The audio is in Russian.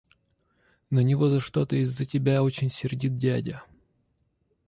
– На него за что-то из-за тебя очень сердит дядя.